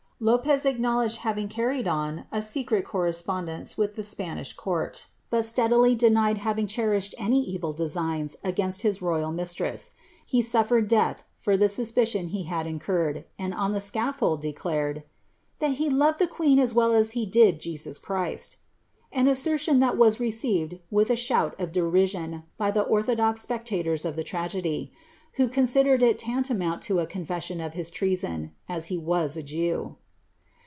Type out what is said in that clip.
'" Liipez acknowledged having carried on a secret correspondence wi;!; the Sjianish court, but steadily denied havmg cherished any evil denize; against his royal mistress. lie suffered dealh for the suspicion he iuu incurred, and on the scaffold declared. ■■ that he loved the queen as well as he did Jesus Christ."' an assertion thai was received wiih a shm;! of derision by the orthodox spectators of tlie tragedy, who considered •'■ laiilnmouiil to a confession of his treason, as he was a Jew.'